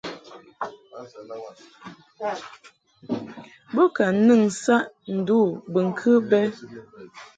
Bo ka nɨn saʼ ndu bɨŋkɨ bɛ.